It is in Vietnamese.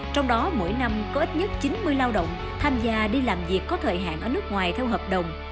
trong đó mỗi năm có ít nhất chín mươi lao động tham gia đi làm việc có thời hạn ở nước ngoài theo hợp đồng